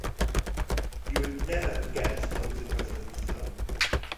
You would never have guessed he was a president's son.